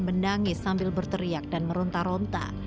menangis sambil berteriak dan meronta ronta